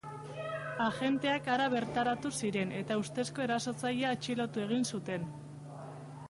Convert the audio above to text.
Agenteak hara bertaratu ziren, eta ustezko erasotzailea atxilotu egin zuten.